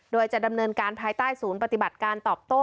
โดยจะดำเนินการภายใต้ศูนย์ปฏิบัติการตอบโต้